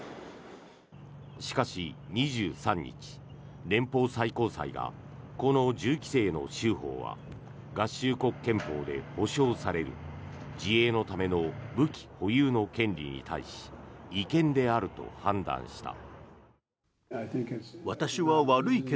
しかし、２３日連邦最高裁がこの銃規制の州法は合衆国憲法で保障される自衛のための武器保有の権利に対し違憲であると判断した。